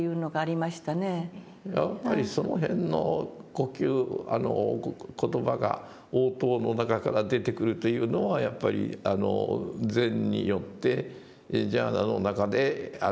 やっぱりその辺の呼吸言葉が応答の中から出てくるというのはやっぱり禅によってジャーナの中で。